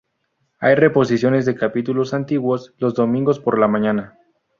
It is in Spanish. Hay reposiciones de capítulos antiguos los domingos por la mañana.